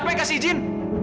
siapa yang kasih izin